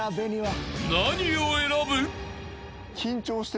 ［何を選ぶ？］